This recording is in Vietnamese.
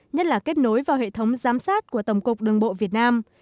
nhất là kết nối vào hệ thống giám sát của tổng cục đường bộ việt nam